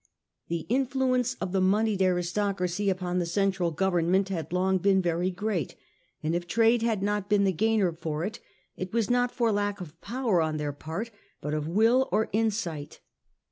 The in to the world, fluence of the moneyed aristocracy upon the central government had long been very great ; and if trade had not been the gainer for it, it was not from lack of power on their part, but of will or insight.